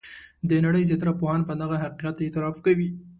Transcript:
د نړۍ زیاتره پوهان په دغه حقیقت اعتراف کوي.